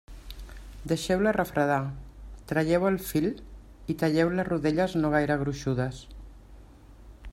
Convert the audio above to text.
Deixeu-la refredar, traieu el fil i talleu-la a rodelles no gaire gruixudes.